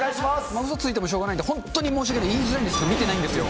うそついてもしょうがないんですけど、申し訳ない、言いづらいんですけど、見てないんですよ。